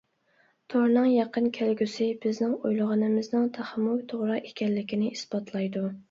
تورنىڭ يېقىن كەلگۈسى بىزنىڭ ئويلىغىنىمىزنىڭ تېخىمۇ توغرا ئىكەنلىكىنى ئىسپاتلايدۇ.